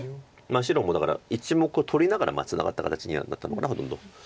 白もだから１目を取りながらツナがった形にはなったのかなほとんど。